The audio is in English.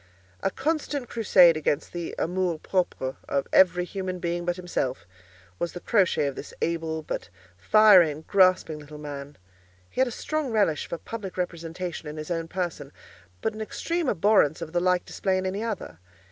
A constant crusade against the "amour propre" of every human being but himself, was the crotchet of this able, but fiery and grasping little man. He had a strong relish for public representation in his own person, but an extreme abhorrence of the like display in any other.